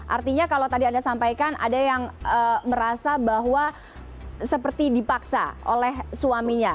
artinya kalau tadi anda sampaikan ada yang merasa bahwa seperti dipaksa oleh suaminya